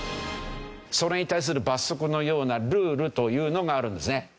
それに対する罰則のようなルールというのがあるんですね。